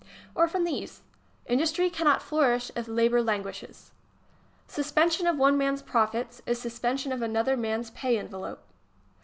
Or from these: Industry cannot flourish if labor languishes. Suspension of one man s profits is suspension of another man s pay envelope.